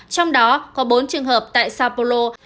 trong đó có bốn trường hợp tại sao paulo